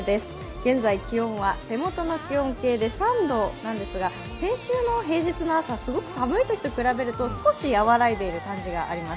現在、気温は手元の気温計で３度なんですが先週の平日の朝、すごく寒いときと比べると少し和らいでいる感じがあります。